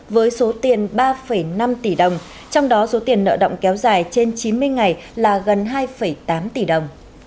với số tiền ba năm tỷ đồng trong đó số tiền nợ động kéo dài trên chín mươi ngày là gần hai tám tỷ đồng